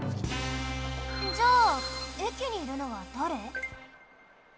じゃあえきにいるのはだれ？